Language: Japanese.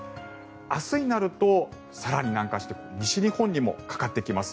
明日になると更に南下して西日本にもかかってきます。